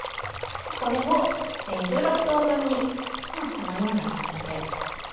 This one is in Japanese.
これを１６等分にこのような感じで。